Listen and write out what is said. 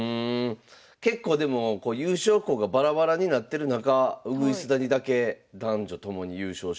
結構でも優勝校がバラバラになってる中鶯谷だけ男女ともに優勝してるという。